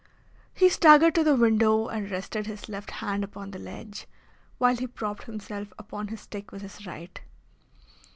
He staggered to the window and rested his left hand upon the ledge, while he propped himself upon his stick with his right.